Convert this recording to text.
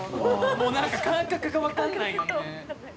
もう何か感覚が分かんないよね。